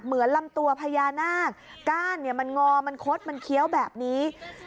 ลำตัวพญานาคก้านเนี่ยมันงอมันคดมันเคี้ยวแบบนี้